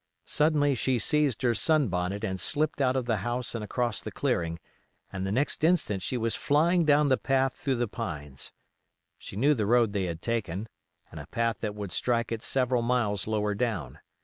Suddenly she seized her sun bonnet and slipped out of the house and across the clearing, and the next instant she was flying down the path through the pines. She knew the road they had taken, and a path that would strike it several miles lower down.